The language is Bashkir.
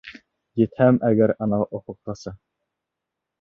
Етһәм әгәр анау офоҡҡаса.